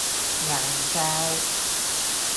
硬膠